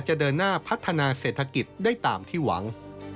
จะเดินหน้าพัฒนาเศรษฐกิจได้ตามที่หวัง